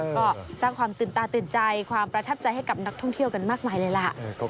ก็สร้างความตื่นตาตื่นใจความประทับใจให้กับนักท่องเที่ยวกันมากมายเลยล่ะ